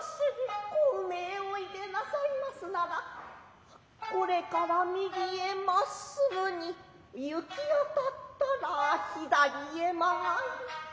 小梅へおいでなさいますならこれから右へ真直に行き当ったら左へ曲り。